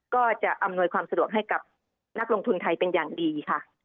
ก็จะอำนวยความสะดวกให้กับนักลงทุนไทยเป็นอย่างดีค่ะ